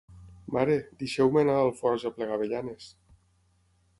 Mare, deixeu-me anar a Alforja a aplegar avellanes.